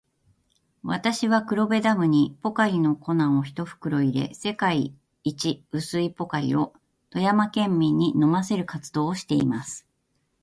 私は、黒部ダムにポカリの粉を一袋入れ、世界一薄いポカリを富山県民に飲ませる活動をしています。